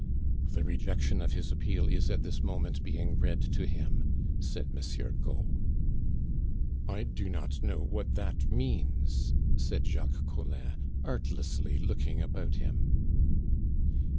"The rejection of his appeal is at this moment being read to him," said Monsieur Gault. "I do not know what that means," said Jacques Collin, artlessly looking about him.